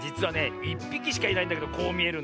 １ぴきしかいないんだけどこうみえるんだぜえ。